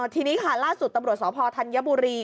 ทีนี้ค่ะล่าสุดตำรวจสพธัญบุรี